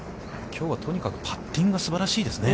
きょうはとにかくパッティングがすばらしいですね。